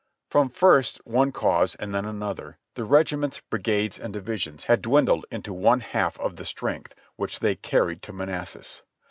From first one cause and then another, the regiments, brigades and divisions had dwindled into one half of the strength which they carried to Manassas.